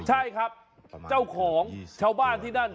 ใช่ครับเจ้าของชาวบ้านที่นั่น